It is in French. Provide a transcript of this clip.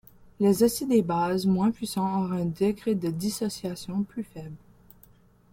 Les acides et bases moins puissants auront un degré de dissociation plus faible.